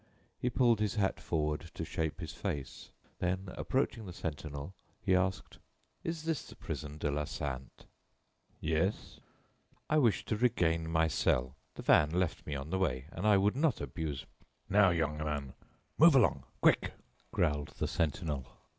He pulled his hat forward to shade his face; then, approaching the sentinel, he asked: "Is this the prison de la Santé?" "Yes." "I wish to regain my cell. The van left me on the way, and I would not abuse " "Now, young man, move along quick!" growled the sentinel.